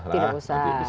bisa menyebabkan jadul